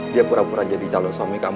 dia pura pura jadi calon suami